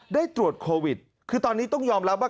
ได้ตรวจโควิดคือตอนนี้ต้องยอมรับว่า